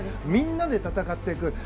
みんなで戦っていく。